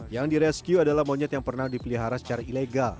yang direscue adalah monyet yang pernah dipelihara secara ilegal